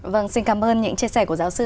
vâng xin cảm ơn những chia sẻ của giáo sư